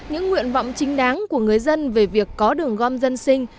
những nguyện vọng chính đáng của người dân về việc có đường gom dân sinh